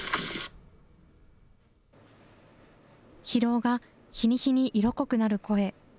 疲労が日に日に色濃くなる声。